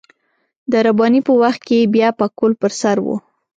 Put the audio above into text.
د رباني په وخت کې يې بيا پکول پر سر و.